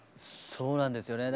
そうなんですよね。